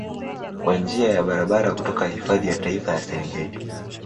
kwa njia ya barabara kutoka hifadhi ya Taifa ya Serengeti